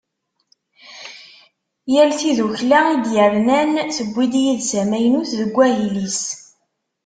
Yal tiddukkla i d-yernan, tewwi-d yid-s amaynut deg wahil-is.